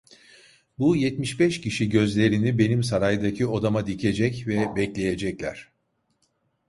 Bu yetmiş beş kişi gözlerini benim saraydaki odama dikecek ve bekleyecekler…